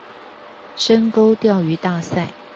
深溝釣魚大賽